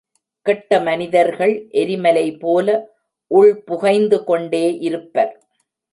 கெட்ட மனிதர்கள் எரிமலை போல உள் புகைந்து கொண்டே இருப்பர்.